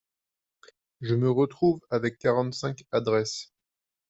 Je me retrouve avec quarante-cinq adresses.